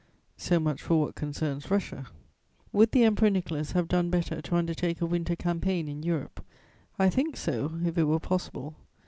So much for what concerns Russia. "Would the Emperor Nicholas have done better to undertake a winter campaign in Europe? I think so, if it were possible.